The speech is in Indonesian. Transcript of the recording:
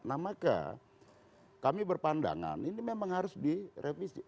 nah maka kami berpandangan ini memang harus direvisi